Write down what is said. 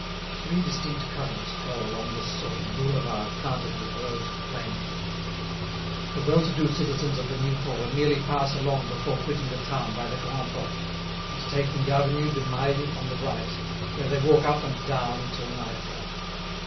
Three distinct currents flow along this sort of boulevard planted with rows of plane trees. The well to do citizens of the new quarter merely pass along before quitting the town by the Grand' Porte and taking the Avenue du Mail on the right, where they walk up and down till nightfall.